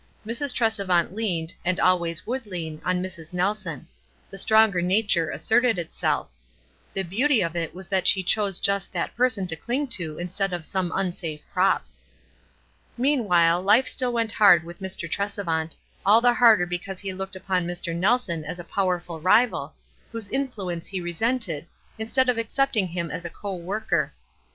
Mrs. Trescvant leaned, and always would lean, on Mrs. Nelson. The stronger nature asserted it self. The beaut} of it was that she chose just that person to cling to instead of some unsafe prop. Meanwhile life still went hard with Mr. Trcs evant, all the harder because he looked upon Mr. Kelson as a powerful rival, whose influence he resented, instead of accepting him as a co worker.